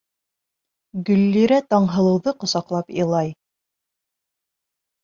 Гөллирә Таңһылыуҙы ҡосаҡлап илай.